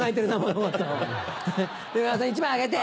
山田さん１枚あげて。